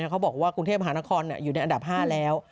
เขาบอกว่ากรุงเทพมหานครอยู่ในอันดับ๕แล้ว